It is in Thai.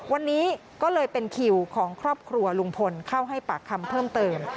วันนี้ก็เลยเป็นคิวของครอบครัวลุงพลเข้าให้ปากคำเพิ่มเติม